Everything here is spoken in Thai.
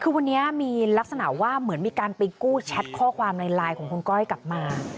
วันนี้ก็เหมือนมีการไปกู้แชทนั้นข้อความในลายของคุณก้อยกลับมา